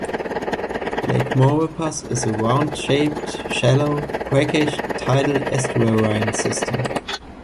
Lake Maurepas is a round-shaped, shallow, brackish tidal estuarine system.